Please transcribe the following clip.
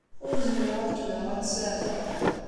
Ur zmireɣ ad kemmleɣ ad tt-saɛfeɣ.